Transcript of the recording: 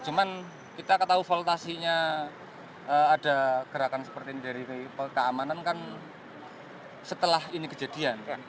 cuman kita ketahui voltasinya ada gerakan seperti ini dari keamanan kan setelah ini kejadian